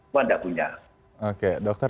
semua tidak punya oke dokter